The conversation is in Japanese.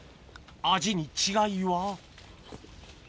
味に違いは？